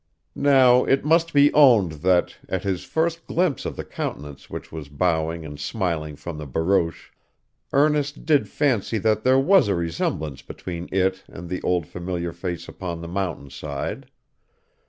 Now, it must be owned that, at his first glimpse of the countenance which was bowing and smiling from the barouche, Ernest did fancy that there was a resemblance between it and the old familiar face upon the mountainside.